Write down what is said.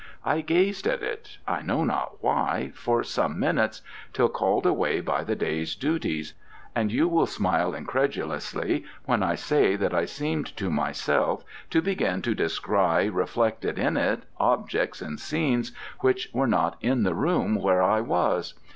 I gazed at it, I know not why, for some minutes, till called away by the day's duties; and you will smile incredulously when I say that I seemed to myself to begin to descry reflected in it objects and scenes which were not in the room where I was.